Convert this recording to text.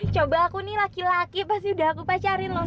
coba aku nih laki laki pasti udah aku pacarin loh